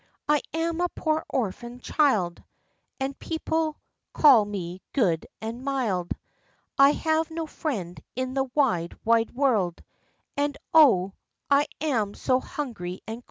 I am a poor orphan child, And people call me good and mild; I have no friend in the wide, wide world; And 0, I am so hungry and cold!"